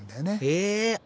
へえ。